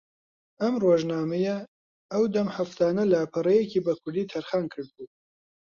ئەم ڕۆژنامەیە ئەودەم ھەفتانە لاپەڕەیەکی بۆ کوردی تەرخان کردبوو